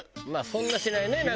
まあそんなしないね。